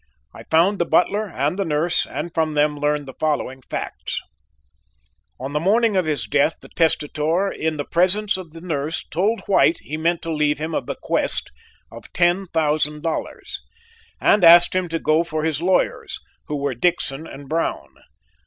I found the butler and the nurse and from them learned the following facts: "On the morning of his death the testator in the presence of the nurse told White he meant to leave him a bequest of ten thousand dollars and asked him to go for his lawyers, who were Dickson & Brown.